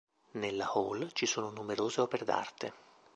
Nella hall ci sono numerose opere d'arte.